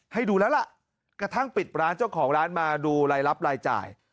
ให้ดูแล้วล่ะกระทั่งปิดร้านเจ้าของร้านมาดูรายรับรายจ่าย